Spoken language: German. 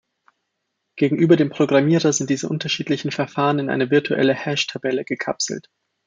Gegenüber dem Programmierer sind diese unterschiedlichen Verfahren in eine virtuelle Hashtabelle gekapselt.